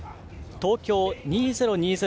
東京２０２０